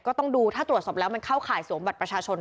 ก็ต้องดูถ้าตรวจสอบแล้วมันเข้าข่ายสวมบัตรประชาชน